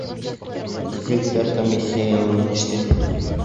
Зөлфәр комиссия янына төштө!